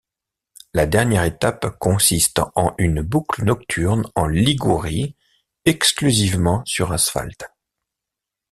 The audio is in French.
La dernière étape consiste en une boucle nocturne en Ligurie, exclusivement sur asphalte.